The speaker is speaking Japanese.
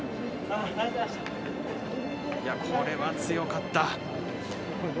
これは強かった。